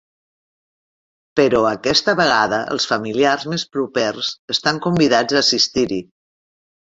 Però aquesta vegada els familiars més propers estan convidats a assistir-hi.